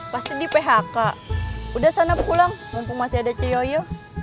pasti di phk udah sana pulang mumpung masih ada ceyo